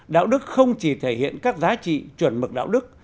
đạo đức không chỉ thể hiện các giá trị chuẩn mực đạo đức